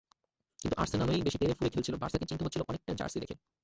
কিন্তু আর্সেনালই বেশি তেড়েফুঁড়ে খেলছিল, বার্সাকে চিনতে হচ্ছিল অনেকটা জার্সি দেখে।